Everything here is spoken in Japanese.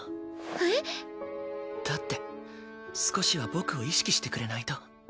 えっ？だって少しは僕を意識してくれないと。